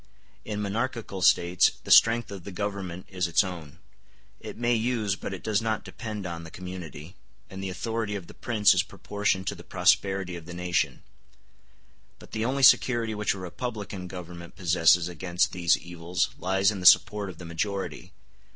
In monarchical States the strength of the government is its own; it may use, but it does not depend on, the community, and the authority of the prince is proportioned to the prosperity of the nation; but the only security which a republican government possesses against these evils lies in the support of the majority.